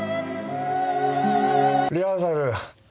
リハーサル。